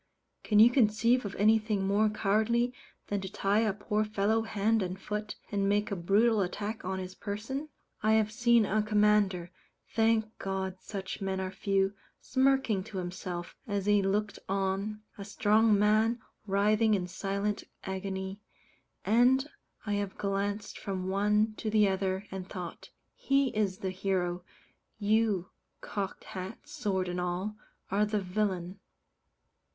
Can you conceive of anything more cowardly than to tie a poor fellow hand and foot, and make a brutal attack on his person? I have seen a commander thank God such men are few: smirking to himself, as he looked on a strong man writhing in silent agony, and I have glanced from the one to the other and thought, "He is the hero you, cocked hat, sword, and all are the villain."